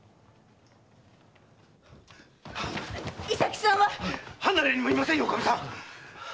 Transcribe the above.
伊佐吉さんは⁉離れにもいませんよ！